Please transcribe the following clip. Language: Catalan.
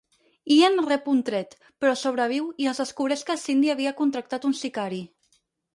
Ian rep un tret, però sobreviu i es descobreix que Cindy havia contractat un sicari.